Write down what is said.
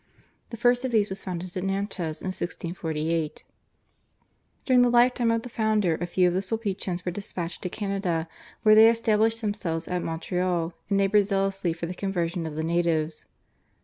The first of these was founded at Nantes in 1648. During the lifetime of the founder a few of the Sulpicians were despatched to Canada, where they established themselves at Montreal, and laboured zealously for the conversion of the natives.